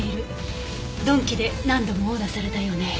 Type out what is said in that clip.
鈍器で何度も殴打されたようね。